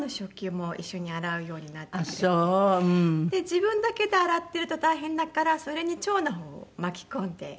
自分だけで洗ってると大変だからそれに長男を巻き込んで。